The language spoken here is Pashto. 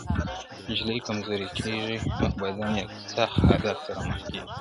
نجلۍ کمزورې کيږي او بدن يې له سخت حالت سره مخ کيږي,